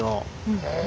へえ。